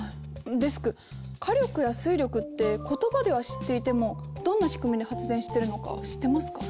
デスク火力や水力って言葉では知っていてもどんな仕組みで発電してるのか知ってますか？